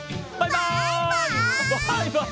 バイバイ！